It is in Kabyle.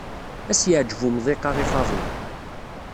Ad as-yeɛjeb umḍiq-a i Faḍil.